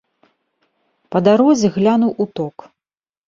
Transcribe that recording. Па дарозе глянуў у ток.